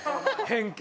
偏見。